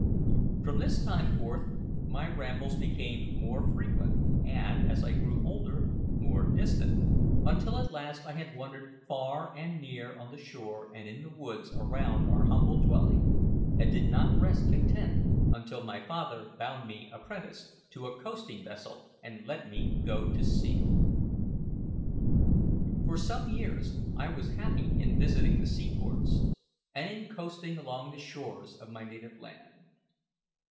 From this time forth my rambles became more frequent and, as I grew older, more distant, until at last I had wandered far and near on the shore and in the woods around our humble dwelling, and did not rest content until my father bound me apprentice to a coasting vessel and let me go to sea. For some years I was happy in visiting the seaports, and in coasting along the shores, of my native land.